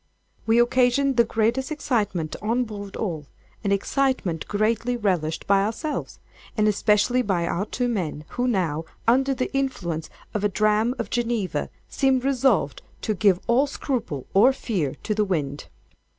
We occasioned the greatest excitement on board all—an excitement greatly relished by ourselves, and especially by our two men, who, now under the influence of a dram of Geneva, seemed resolved to give all scruple, or fear, to the wind.